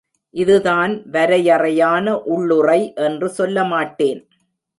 இதுதான் வரையறையான உள்ளுறை என்று சொல்ல மாட்டேன்.